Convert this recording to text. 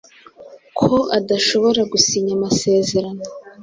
ko adashobora gusinya amasezerano